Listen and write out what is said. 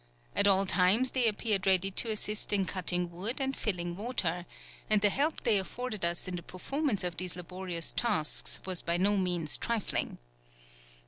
At all times they appeared ready to assist in cutting wood and filling water; and the help they afforded us in the performance of these laborious tasks was by no means trifling.